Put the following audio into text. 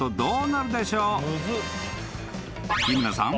［日村さん。